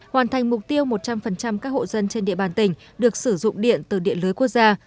hoàn thành mục tiêu một trăm linh các hộ dân trên địa bàn tỉnh được sử dụng điện từ điện lưới quốc gia